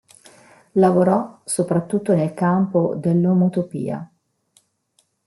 Lavorò soprattutto nel campo dell'omotopia.